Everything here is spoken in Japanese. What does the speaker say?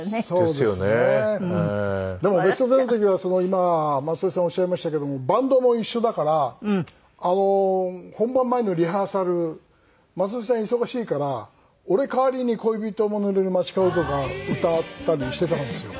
でも『ベストテン』の時は今雅俊さんおっしゃいましたけどもバンドも一緒だから本番前のリハーサル雅俊さん忙しいから俺代わりに『恋人も濡れる街角』とか歌ったりしてたんですよ。